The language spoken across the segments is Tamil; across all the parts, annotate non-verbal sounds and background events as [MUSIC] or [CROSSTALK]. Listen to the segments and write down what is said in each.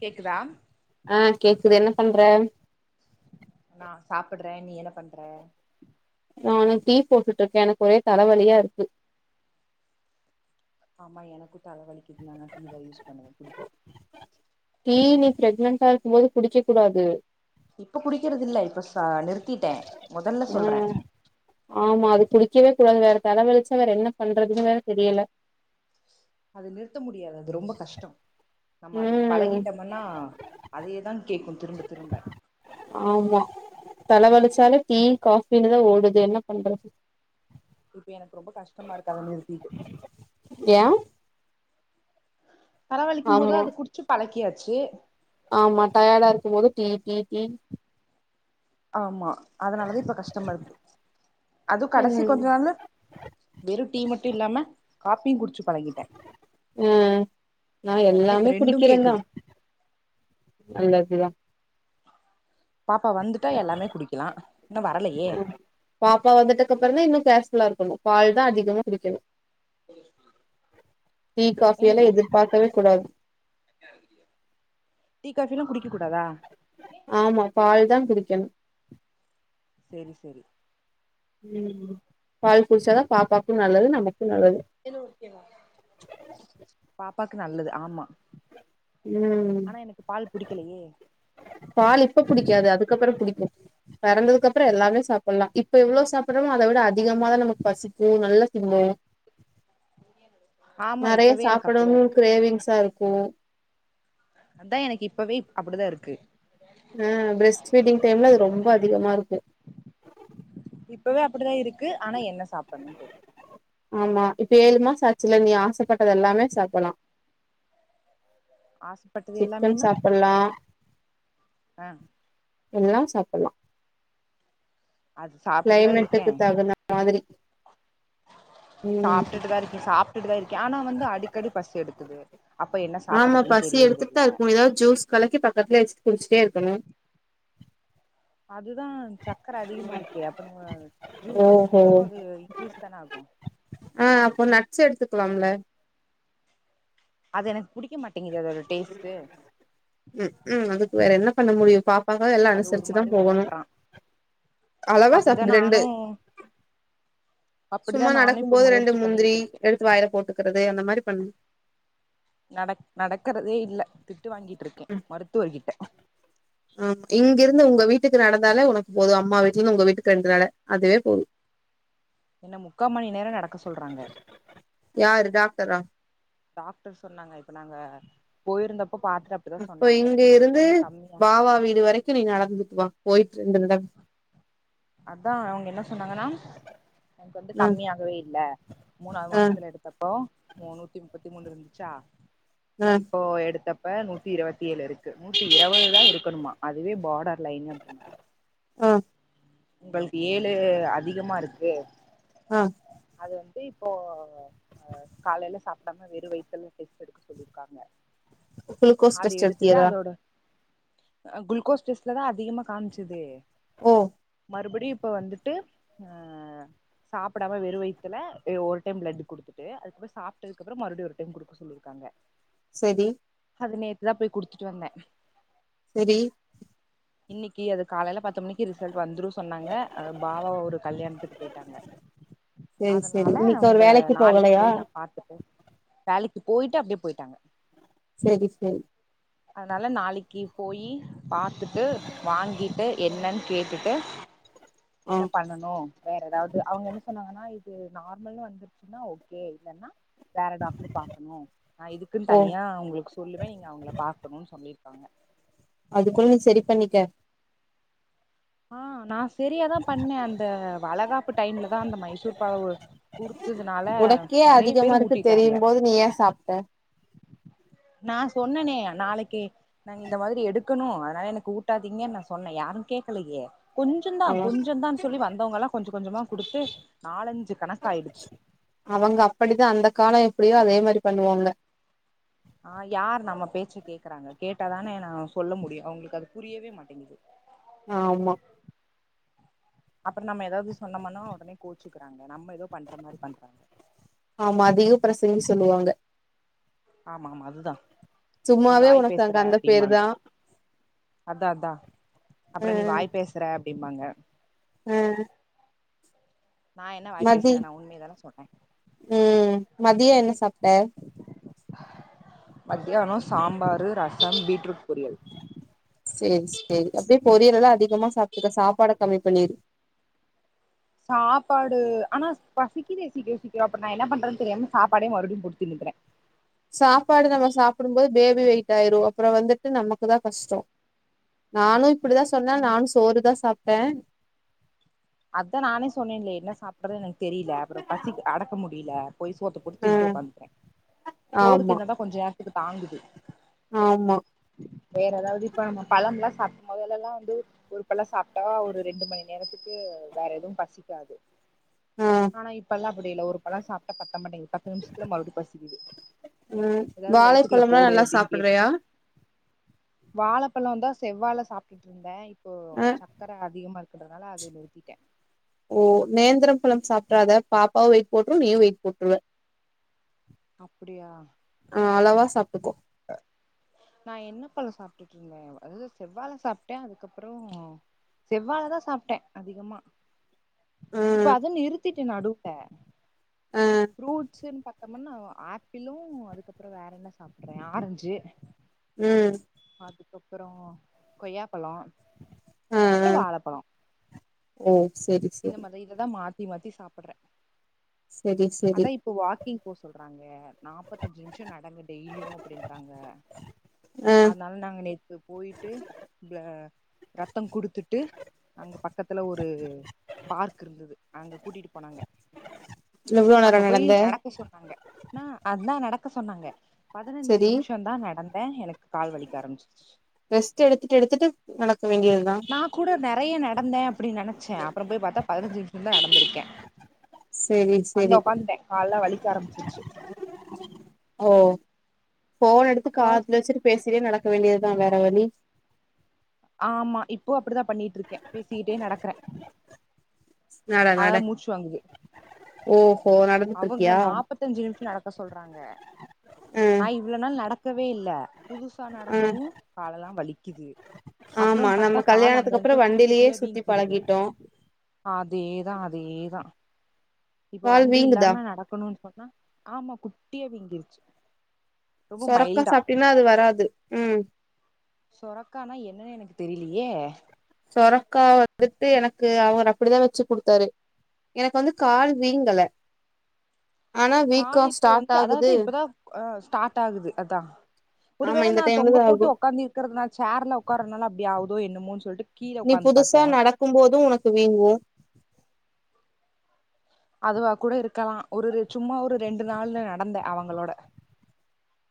கேக்குதா அ கேக்குது என்ன பண்ற நா சாப்பட்றே நீ என்ன பண்ற நானு டீ போட்டுட்ருக்கே எனக்கு ஒரே தலவலியா இருக்கு ஆமா எனக்கு தல வலிக்குது நாலா டீதா யூஸ் பண்ணுவே குடிப்பே டீ நீ ப்ரக்னன்டா இருக்கும்போது குடிக்கக்கூடாது இப்ப குடிக்கறதில்ல இப்ப ச நிறுத்திட்டே மொதல்ல சொல்றே ம் ஆமா அது குடிக்கவே கூடாது வேற தலவலிச்சா வேற என்ன பண்றதுன் வேற தெரியல அது நிறுத்த முடியாது அது ரொம்ப கஷ்டோ நம்ம அதுக்கு ம் பழகிட்டமன்னா அதே தான் கேக்கு திரும்ப திரும்ப ஆமா தல வலிச்சாலே டீ காஃபினுதா ஓடுது என்ன பண்றது இப்ப எனக்கு ரொம்ப கஷ்டமா இருக்கு அத நிறுத்திட்டு ஏ தரவலிக்கும் போது ஆமா அத குடிச்சு பழக்கியாச்சி ஆமா டயடாருக்கும் போது டீ டீ டீ ஆமா அதனாலதா இப்ப கஷ்டமாருக்கு அது கடைசி ம் கொஞ்ச நாள்ல வெறு டீ மட்டு இல்லாம காப்பியு குடிச்சு பழகிட்டே ம் நா அதனால இப்ப எல்லாமே ரெண்டு குடிக்கிறந்தா கேக்குது நல்லதுதா பாப்பா வந்துட்டா எல்லாமே குடிக்கலா இன்னு வரலையே பாப்பா வந்துட்டக்கப்பறந்தா இன்னு கேர்ஃபுல்லா இருக்கணு பால்தா அதிகமா குடிக்கணு தெரியுமா டீ காஃபி எல்லா எதிர்பார்க்கவே கூடாது [INAUDIBLE] டீ காஃபி எல்லா குடிக்கக்கூடாதா ஆமா பால்தா குடிக்கணு செரி செரி ம் பால் குடிச்சாதா பாப்பாக் பாப்பாக்கு நல்லது ஆமா ம் ஆனா எனக்கு பால் புடிக்கலையே பால் இப்ப புடிக்காது அதுக்கப்பறோ புடிக்கு பெறந்ததுக்கப்றோ எல்லாமே சாப் புல்லா இப்ப எவ்ளோ சாப்புட்றமோ அத விட அதிகமாதா நமக்கு பசிக்கு நல்லா திம்போ [INAUDIBLE] நெறையா இப்பவே எனக்கு அப்டிதா சாப்புடவூ இருக்கு கிரேவிங்ஸா இருக்கு அதா எனக்கு இப்பவே அப்பிடிதா இருக்கு ஆ பிரஸ்ட் ஃபீடிங் டைம்ல அது ரொம்ப அதிகமா இருக்கு இப்பவே அப்பிடிதா இருக்கு ஆனா என்ன சாப்புட்னூன் தெரியல ஆமா இப்ப ஏழுமாசாச்சில நீ ஆசப்பட்டத எல்லாமே சாப்புட்லா ஆச சிக்கன் சாப்புட்லா ஆ எல்லா சாப்புட்லா அது சாப்ட்டுட்டுதா கிளைமேட்டுக்குத் தகுந்த மாதிரி ம் சாப்டுட்டுதா இருக்கே சாப்டுட்டுதா இருக்கே ஆனா வந்து அடிக்கடி பசி எடுக்குது அப்ப என்ன ஆமா சாப்டுறதுன் பசி தெரியறது இல்ல எடுத்துட்தா இருக்கு ஏதாவது ஜூஸ் கலக்கி பக்கத்துலயே வச்சிட்டு குடிச்சிட்டே இருக்கணு அதுதா சக்கர அதிகமா இருக்கே அப்ப நம்ம ஜூஸா ஓஹோ குடிச்சாலு அது இன்கிரீஸ் தான ஆகு ஆ அப்போ நட்ஸ் எடுத்துக்கலாம்ல அது எனக் புடிக்க மாட்டேங்குது அதோட டேஸ்ட்டூ ம்கும் அதுக்கு வேற என்ன பண்ண முடியு பாப்பாக்காக எல்லா அது ஒரு அனுசரிச்சுதா மாரி போகணு ஒமட்றா அளகா அப்டிதா சாப்புடு ரெண்டு நானு அப்டிதா சும்மா நானு நடக்கும் இப்ப போது ரெண்டு முயற்சி முந்திரி பண்ணிக்கிட்டு இருக்கே எடுத்து வாயில போட்டுக்குறது அந்த மாரி பண்ணு நடக் நடக்குறதே இல்ல திட்டு வாங்கிட்ருக்கே மருத்துவர்கிட்ட ஆ இங்கெருந்து உங்க வீட்டுக்கு நடந்தாலே உனக்கு போது அம்மா வீட்லந்து உங்க வீட்டுக்கு இரண்டு நட அதுவே போது என்ன முக்கா மணி நேரோ நடக்க சொல்றாங்க யாரு டாக்டரா டாக்டர் சொன்னாங்க இப்ப நாங்க போயிருந்தப்போ பாத்துட்டு அப்டிதா சொன்னாங்க உங்களுக்கு வந்து கம்மியா அவா வீடு வரை கி நீ நடந்துட்டு வா போயிட்ருந்து நட அதா அவங்க என்ன சொன்னாங்கண்ணா உனக்கு வந்து ஆ கம்மியாகவே இல்ல மூணாவது ஆ மாசத்துல எடுத்தப்போ முன்னூத்தி முப்பத்தி மூணு இருந்துச்சா ஆ இப்போ எடுத்தப்ப நூத்தி இருபத்தி ஏழு இருக்க நூத்தி இருபதுதா இருக்கணுமா அதுவே பார்டர் லைன் அப்டின்னாங்க ஆ உங்களுக்கு ஏழு அதிகமா இருக்கு ஆ அத வந்து இப்ப ஆ காலயில சாப்பிடாம வெறும் வயித்துல டெஸ்ட் எடுக்க சொல்லியிருக்காங்க குளுக்கோஸ் அது டெஸ்ட் எடுத்துட்டு எடுத்தியதா அதோட குளுக்கோஸ் டெஸ்ட்ல தா அதிகமாக காமிச்சுது ஓ மறுபடியு இப்ப வந்துட்டு அ சாப்பிடாம வெறும் வயத்துல ஒருடைம் பிளட் கொடுத்துட்டு அதுக்கப்புறோ சாப்பிட்டதுக்கப்புற மறுபடி ஒரு டைம் கொடுக்க சொல்லியிருக்காங்க சேரி அது நேத்துதா போய் கொடுத்துட்டு வந்தே சேரி இன்னைக்கு அது காலையில பத்து மணிக்கு ரிசல்ட் வந்துரு சொன்னாங்க பாவா ஒரு கல்யாணத்துக்கு போயிட்டாங்க செரி செரி அதனால அவங்க நாளைக்கு போய் நா பாத்துப்போ வேலைக்கு போயிட்டு அப்டியே போயிட்டாங்க சேரி சேரி அதனால நாளைக்கு போயி பாத்துட்டு வாங்கிட்டு என்னன்னு கேட்டு வு ஆ என்ன பண்ணனு வேற ஏதாவது அவங்க என்ன சொன்னாங்கன்னா இது நார்மல்னு வந்துருச்சுன்னா ஓகே இல்லேன்னா வேற டாக்டர் பாக்கணு நா இதுக்குன்னு ஓ தனியா உங்களுக்கு சொல்லுமே நீங்க அவங்கள பாக்கணும்னு சொல்லியிருக்காங்க அதுக்குள்ள நீ சேரி பண்ணிக்க ஆஹ் நா சரியாதா பண்ணே அந்த வளகாப்பு டைம்ல தா அந்த மைசூர் பாகு குடுத்ததுனால நேறய பேரு ஊட்டிட்டாங்க அப்ப நீ ஏன் சாப்பிட்ட [UNINTELLIGIBLE] நா சொன்னனே நாளைக்கு நாங்க இந்த மாரி எடுக்கணு அதனால எனக்கு ஊட்டாதீங்கன்னு நா சொன்னே யாரு கேடக்கலையே கொஞ்சோ தா அவ கொஞ்சோ தான்னு சொல்லி வந்தவங்க எல்லா கொஞ்சோ கொஞ்சோ கொடுத்து நாலஞ்சு கணக்க ஆயிடுச்சு அவங்க அப்டிதா அந்த கால எப்டியோ அத மாரி பண்ணுவாங்க ஆஹ் யார் நம்ம பேச்சு கேக்குறாங்க கேட்டாதானே நா சொல்ல முடியு அவங்களுக்கு அது புரியவே மாட்டேங்குது ஆமா அப்புறோ நம்ம ஏதாவது சொன்னம்னோ உடனே கோச்சுக்கிறாங்க நம்ம ஏதோ பண்ற மாதிரி பண்றாங்க ஆமா அதிக பிரசிங்ன்னு சொல்லுவாங்க ஆமா ஆமா அதுதா நீ சும்மாவே வாய் உனக்கு பேசுற அங்க அந்த பேரு அப்டிமாங்க தா அதா அதா அ அப்புறோ நீ வாய் பேச [UNINTELLIGIBLE] அப்படிம்பாங்க ம் நா என்ன வாய் மதி பேசுனே நா உண்மைய தான சொன்னே ம் மதியம் என்ன சாப்ட்ட மத்தியான சாம்பாரு ரசம் பீட்ரூட் பொரியல் சேரி சேரி அப்படியே பொரியல் எல்லா அதிகமா சாப்பிட்டுக்க சாப்பாட கம்மி பண்ணிரு சாப்பாடு ஆனா பசிக்குதே சீக்கிர சீக்கிர அப்ப நா என்ன பண்றேன்னு தெரியாம சாப்பாடே மறுபடியு போட்டு திண்ணுக்கிறே சாப்பாடு நம்ம சாப்பிடும் போது பேபி வெயிட் ஆயிரு அப்பற வந்துட்டு நமக்கு தான் கஷ்டோ நானு இப்படிதா சொன்னே ஆனா ம் நானு சோறுதா சாப்பிட்டே அதா நானே சொன்னேன்ல என்ன சாப்பிடுறது எனக்கு தெரியல அப்பற பசிக்கு அடக்க முடியல போய் சோத்து போட்டு அ தின்ட்டு உக்காந்துக்கிறே சோறு ஆமா தின்னதா கொஞ்சோ நேரத்துக்கு தாங்குது ஆமா வேற ஏதாவது இப்ப நம்ம பழம் ல்லா சாப்பிடபோது மெதல்லாய்லா வந்து ஒருபழ சாப்பிட்டா ஒரு ரெண்டு மணி நேரத்துக்கு வேற எதுவு பசிக்காது ஆ ஆனா இப்பெல்லா அப்படி இல்ல ஒரு பழம் சாப்பிட்டா பத்த மாட்டிக்குது பத்து நிமிஷத்துல மறுபடியு பசிக்குது ம் ஏதாவது வயசதுக்குள்ளே வாழைப்பழம்லா போடு நல்லா அப்படின்னு கேக் சாப்புட்றியா வாழைப்பழம் இருந்தா செவ்வால சாப்பிட்டுட்டு இருந்தே இப்போ அ சக்கர அதிகமா இருக்கதுனால நிறுத்திட்டே ஓ நேந்திரம் பழம் சாப்பிடறாத பாப்பாவும் வெயிட் போட்டுரு நீயும் வெயிட் போட்டுருவே அப்டியா ஆ அளவா சாப்பிட்டுக்கோ நா என்ன பழம் சாப்பிடிட்டு இருக்கே அது செவ்வாழ சாப்பிட்டே அதுக்கப்பறோ செவ்வாழ தா சாப்பிட்டே அதிகமா இப்ப ம் அது நிறுத்திட்டே நடுவுல ஆ ஃப்ரூட்சு அதுக்கு முன்ன ஆப்பிளு அதுக்கப்பறோ வேற என்ன சாப்பிடடே ஆரஞ்சு ம் அதுக்கப்பறோ கொய்யாப்பழம் ஆ அப்பற ஆ வாழைப்பழம் ஓ சேரி சேரி மாதிரி இததா மாத்தி மாத்தி சாப்பிட்றே செரி செரி அதா இப்போ வாக்கிங் போக சொல்றாங்க நாப்பத்தஞ்சு நிமிஷ நடங்க டெய்லியு அப்டின்றாங்க ஆ அதனால நாங்க நேத்து போயிட்டு ப்ள ரத்தம் கொடுத்துட்டு அங்கே பக்கத்தில ஒரு பார்க் இருந்தது அங்க கூட்டிட்டு போனாங்க எவ்ளோ நேரோ அங்க போய் நடந்த நடக்க சொன்னாங்க நா அதா நடக்க சொன்னாங்க பதினஞ்சு செரி நிமிஷ தா நடந் எனக்கு கால் வலிக்க ஆரம்பிச்சுருச்சு ரெஸ்ட் எடுத்துட்டு எடுத்துட்டு நடக்க வேண்டியதுதா நா கூட நெறைய நடந்தே அப்டி நினைச்சே அப்பற போய் பாத்தா பதினஞ்சு நிமிஷோ குள்ளே நடந்திருக்கே செரி செரி வந்து உக்காந்துட்டே கால்ல்லா வலிக்க ஆரம்பிச்சிருச்சு ஓ போன் எடுத்து அப்றோ காதுல வச்சிரு பேசிட்டே நடக்க வேண்டியதா வேற வழி ஆமா இப்போ அப்படிதா பண்ணிட்டு இருக்கே பேசிகிட்டே நடக்குறே நட நட வாங்குது ஓ அவங்க நாப்பத்தஞ்சு நிமிஷ நடக்க சொல்றாங்க அ நா இவ்வளவு நாள் நடக்கவே இல்ல புதுசா அ நடக்கவு கால் எல்லா வலிக்குது அப்பற ஆமா நம்ம பாத்தா கால் அங்க கல்யாணத்துக்கு அப்புறோ எங்க குட்டி வண்டிலயே குட்டியாவே சுத்தி வீங்கிக்கிரது பழகிட்டோ அதேதா அதேதா இப்ப கால் வண் வீங்குதா நடக்கணுனு சொன்னா ஆமா குட்டிய விங்கிருச்சு சுரக்கா சாப்ட்டைனா அது வராது ம் சுரக்கானா என்னன்னு எனக்கு தெரியலையே சுரக்கா வந்துட்டு எனக்கு அவர் அப்டிதி வச்சு கொடுத்தாரு எனக்கு வந்து கால் வீங்கல ஆனா கால வீக்கோ இப்போ ஸ்டார்ட் வந்து அதாவது ஆகுது இப்பதா ஆ ஸ்டார்ட் ஆகுது அதா ஆமா ஒருவேள இந்த நா தொங்க டைம்லதா போட்டு ஆகு ஒக்காந்து இருக்றது நா சேர்ல ஒக்காறனால அப்டி ஆகுதோ என்னமோன் சொல்ட்டு நீ புதுசா நடக்கும் போது உனக்கு வீங்கு அதுவாக்கூட இருக்கலா ஒருரு சும்மா ஒரு ரெண்டு நாள்ல நடந்தே அவங்களோட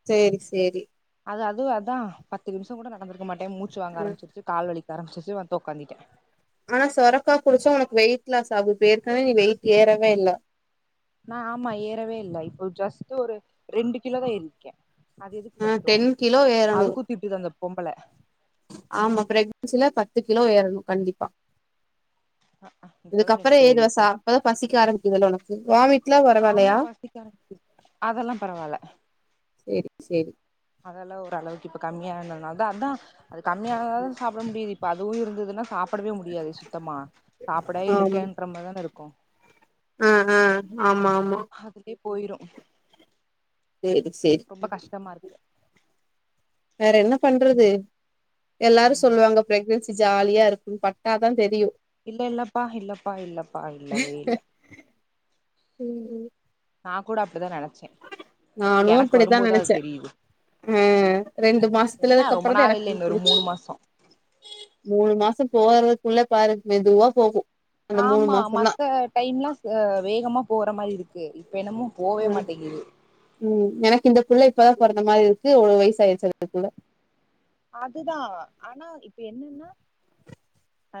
சேரி சேரி அது அதுவு அதா பத்து நிமிஷோங்கூட நடந்திருக்க மாட்டே மூச்சு வாங்க ம் ஆரம்பிச்சிருச்சு கால் வலிக்க ஆரம்பிச்சிருச்சி வந்து ஒக்காந்திட்டே ஆனா சொரக்கா குடிச்சா ஒனக்கு வெயிட் லாஸ் ஆகு ஏற்கனே நீ வெயிட் ஏறவே இல்ல நா ஆமா ஏறவே இல்ல இப்போ ஜஸ்ட்டு ஒரு ரெண்டு கிலோதா ஏறிருக்கே அது எதுக்கு ஆ பத்தூ டென் கிலோ ஏறணு அதுக்கூ திட்டுதந்த பொம்பள ஆமா ப்ரக்னன்சில பத்து கிலோ ஏறணு கண்டிப்பா இப்பதா ரெண்டு இதுக்கப்பறோ பேர் இருக்கு ஏதுவசா அப்பதா பசிக்க ஆரம்பிக்குதுல ஒனக்கு வாமி்ட் ஆமா பசிக்க ஆரம்பிக்கிது அதெல்லா பரவால சேரி சேரி அதெல்லா ஓரளவுக்கு இப்ப கம்மியா ஆனதுனாலதா அதா அது கம்மியாகாக சாப் புட முடியாது இப்ப அதுவு இருந்ததுன்னா சாப்புடவே முடியாது சுத்தமா சாப்புட ஆமா எடுக்கன்ற மாரிதானே இருக்கு ஆ ஆ ஆமா ஆமா அதுக்கே போயிரு தேரி சேரி ரொம்ப கஷ்டமா இருக்கு வேற என்ன பண்றது எல்லாரு ஆமா சொல்லுவாங்க பிரக்னன்சி ஜாலியா இருக்கு பட்டாதா தெரியு இல்ல இல்லப்பா இல்லப்பா இல்லப்பா இல்லவே இல்ல நாக்கூட அப்டிதா நெனச்சே நானூ எனக்கு அப்பிடிதா வரும்போதுதா அது நெனச்சே தெரியுது ஆ ரெண்டு என்ன ரொம்ப மாசத்துலதுக்கப்றதா நாள் எனக்கு இல்ல இன்னொரு புரிஞ்ச்சி மூணு மாசோ மூணு மாசோ போறதுக்குள்ளே பாரு மெதுவா போகு அந்த மூணு ஆமா மாசந்தா மத்த டைம்லா ஆ வேகமா போற மாரி இருக்கு இப்ப என்னமோ போவே அ மாட்டேங்குது ம் எனக்கு இந்த புள்ள இப்பதா அது பொறந்த மாரி இருக்கு ஒலு வயசாயிருச்சி அதுக்குள்ள அதுதா ஆனா இப்ப என்னன்னா ஆ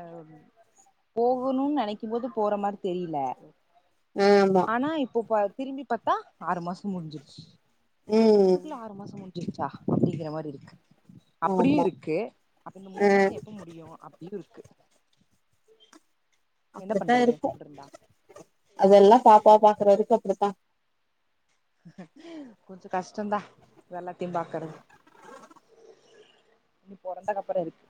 ஆவ் போகணூன் நெனைக்கு போது போற மாரி தெரியலே ஆமா ஆனா இப்போ பா திரும்பி பாத்தா ஆறு மாசோ முடிஞ்சிருச்சி ம் அதுக்குள்ள ஆறு மாசோ முடிஞ்சிருச்சா அப்டிங்கிற மாரி இருக்கு அப்டியு ஆமா இருக்கு அப்ப இந்த ஆ மூணு மாசோ எப்ப முடியூ அப்டீனு இருக்கு என்ன அப்டித்தா பண்றது இருக்கு இப்டி இருந்தா அதெல்லா பாப்பா பாக்குற வரைக்கு அப்டித்தா கொஞ்சோ கஷ்டோந்தா இது எல்லாத்தையு பாக்குறது இனி பொறந்தகப்பறோ இருக்கு